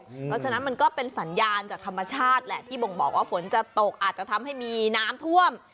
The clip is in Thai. เพราะฉะนั้นมันก็เป็นสัญญาณจากธรรมชาติแหละที่บ่งบอกว่าฝนจะตกอาจจะทำให้มีน้ำท่วม